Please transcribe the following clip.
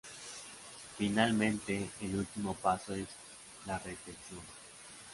Finalmente el último paso es la retención.